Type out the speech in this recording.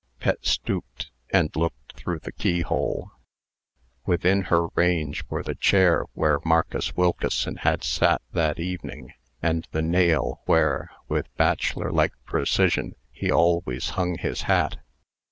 Pet stooped, and looked through the keyhole. Within her range were the chair where Marcus Wilkeson had sat that evening, and the nail where with bachelor like precision he always hung his hat.